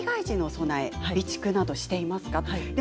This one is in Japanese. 災害時の備え備蓄などしていますか。